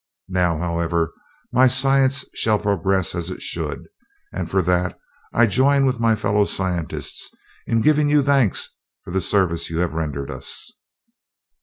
Now, however, my science shall progress as it should; and for that I join with my fellow scientists in giving you thanks for the service you have rendered us."